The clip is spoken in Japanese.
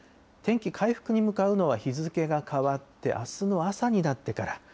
天気、回復に向かうのは、日付が変わってあすの朝になってから。